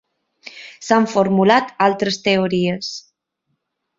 S'han formulat altres teories.